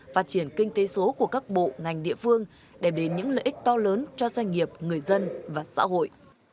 phát triển kinh tế số của các bộ ngành địa phương đem đến những lợi ích to lớn cho doanh nghiệp người dân và xã hội